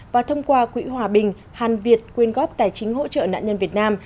và thông qua quỹ hòa bình hàn việt quyên góp tài chính hỗ trợ nạn nhân việt nam